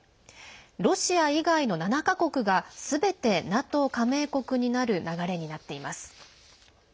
ロシア以外の７か国がすべてＮＡＴＯ加盟国になる流れになっています。